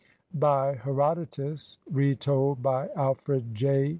] BY HERODOTUS; RETOLD BY ALFRED J.